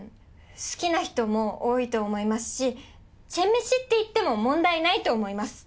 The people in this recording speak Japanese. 好きな人も多いと思いますしチェンメシって言っても問題ないと思います。